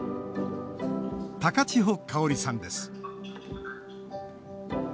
高千穂香織さんです。